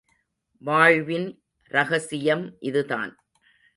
வாழ்வின் ரகசியம் இதுதான்.